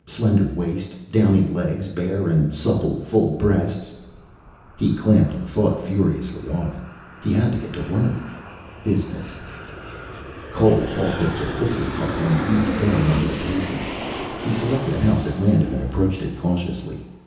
Slender waist, downy legs, bare and supple, full breasts . He clamped the thought furiously off. He had to get to work. Business. Cole halted the Fixit cart and leaped down onto the pavement. He selected a house at random and approached it cautiously.